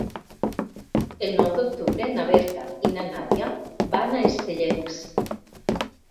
El nou d'octubre na Berta i na Nàdia van a Estellencs.